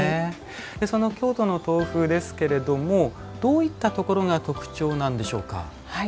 その京都の豆腐ですけれどもどういったところが特徴なんでしょうか？